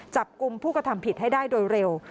จับกลุ่มผู้กระทำผิดให้ได้โดยเร็ว